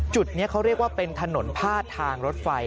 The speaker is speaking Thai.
จุดนี้เขาเรียกว่าเป็นถนนพาดทางรถไฟ